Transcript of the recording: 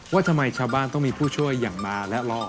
ว่าทำไมชาวบ้านต้องมีผู้ช่วยอย่างมาและรอ